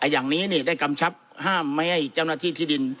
อย่างนี้ได้กำชับห้ามไม่ให้เจ้าหน้าที่ที่ดิน